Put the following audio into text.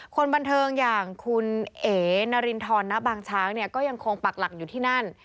คนบันเทิงอย่างคุณเอ๋นารินทรณบางช้างเนี่ยก็ยังคงปักหลักอยู่ที่นั่น